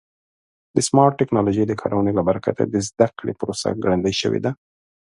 د سمارټ ټکنالوژۍ د کارونې له برکته د زده کړې پروسه ګړندۍ شوې ده.